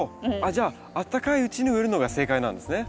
じゃああったかいうちに植えるのが正解なんですね。